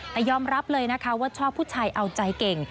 แต่ยอมรับเลยนะคะว่าชอบผู้ชายเอาใจเก่ง